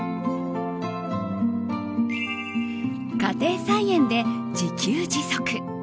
家庭菜園で自給自足。